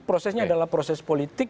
prosesnya adalah proses politik